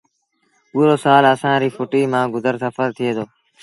پُورو سآل اسآݩ رو ڦُٽيٚ مآݩ گزر سڦر ٿئي دو